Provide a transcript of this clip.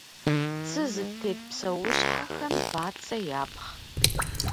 Цы зытет псэущхьэхэм бацэ япхъ.